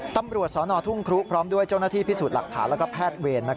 ตำรวจสนทุ่งครุพร้อมด้วยเจ้าหน้าที่พิสูจน์หลักฐานและแพทย์เวร